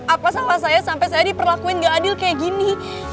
apa sama saya sampai saya diperlakuin gak adil kayak gini